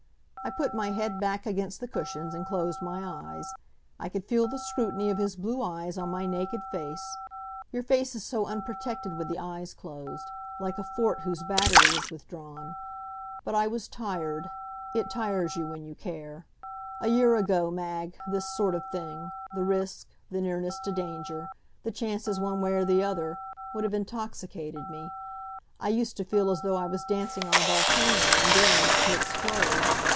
I put my head back against the cushions and closed my eyes. I could feel the scrutiny of his blue eyes on my naked face your face is so unprotected with the eyes closed; like a fort whose battery is withdrawn. But I was tired it tires you when you care. A year ago, Mag, this sort of thing the risk, the nearness to danger, the chances one way or the other would have intoxicated me. I used to feel as though I was dancing on a volcano and daring it to explode.